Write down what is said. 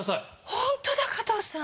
ホントだ加藤さん。